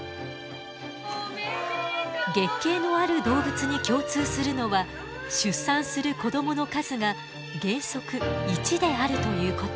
月経のある動物に共通するのは出産する子どもの数が原則１であるということ。